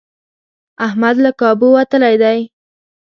احمد له کابو وتلی دی.